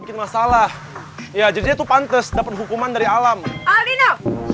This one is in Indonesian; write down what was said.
bikin masalah ya jadi itu pantes dapat hukuman dari alam alina